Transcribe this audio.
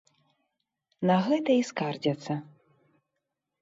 На гэта і скардзяцца.